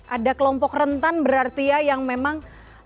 ada kelompok rentan berarti ya yang memang